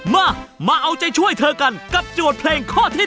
มามาเอาใจช่วยเธอกันกับโจทย์เพลงข้อที่๑